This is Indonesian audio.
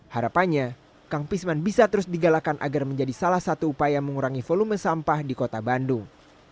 harapannya kang pisman bisa terus digalakan agar menjadi salah satu upaya mengurangi volume sampah di kota bandung